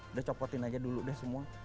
udah copotin aja dulu deh semua